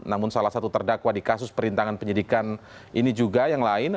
namun salah satu terdakwa di kasus perintangan penyidikan ini juga yang lain